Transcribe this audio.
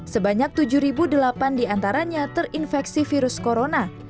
sebanyak tujuh delapan diantaranya terinfeksi virus corona